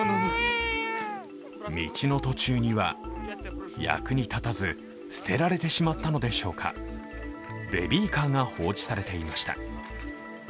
道の途中には役に立たず、捨てられてしまったのでしょうか、ベビーカーが放置されていました。